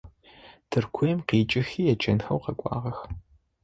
Тыркуем къикIыхи еджэнхэу къэкIуагъэх.